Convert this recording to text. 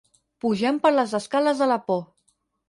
Pugem per les escales de la por.